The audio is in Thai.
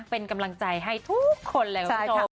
เป็นกำลังใจให้ทุกคนเลยคุณผู้ชม